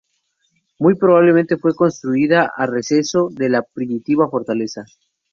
Muy probablemente fue construida a receso de la primitiva fortaleza.